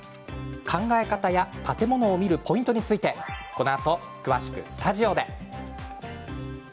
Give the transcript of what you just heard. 考え方や建物を見るポイントについてこのあと詳しくスタジオで。